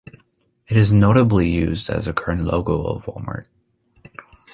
It is notably used as the current logo of Walmart.